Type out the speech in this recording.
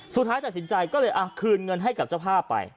สุดท้ายตัดสินใจก็เลยคืนเงินให้กับเจ้าภาพไป